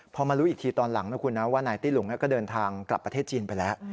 พอมารู้อีกทีตอนหลังนะคุณนะว่านายตี้หลุงก็เดินทางกลับประเทศจีนไปแล้ว